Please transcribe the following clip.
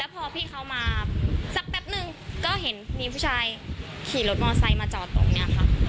พอพี่เขามาสักแป๊บนึงก็เห็นมีผู้ชายขี่รถมอไซค์มาจอดตรงนี้ค่ะ